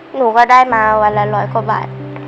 หนูก็ได้มาวันละร้อยกว่าบาท